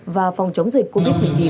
và phòng chống dịch covid một mươi chín